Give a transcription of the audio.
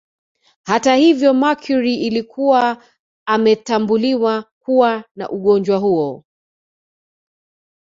Hata hivyo Mercury alikuwa ametambuliwa kuwa na ugonjwa huo